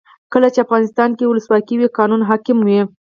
کله چې افغانستان کې ولسواکي وي قانون حاکم وي.